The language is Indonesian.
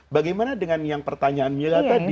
bagaimana dengan yang pertanyaannya tadi